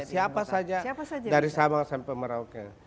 siapa saja dari sabang sampai merauke